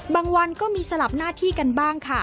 วันก็มีสลับหน้าที่กันบ้างค่ะ